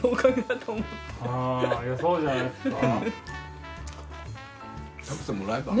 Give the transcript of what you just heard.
ありがとうございます。